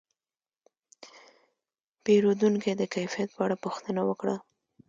پیرودونکی د کیفیت په اړه پوښتنه وکړه.